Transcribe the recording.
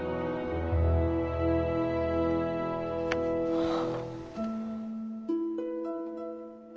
はあ。